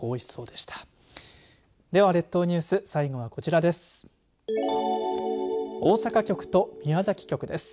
では、列島ニュース最後はこちらです。